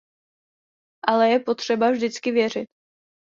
Ale je potřeba vždycky věřit.